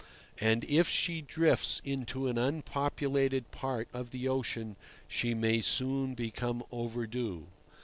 And if she drifts into an unpopulated part of the ocean she may soon become overdue.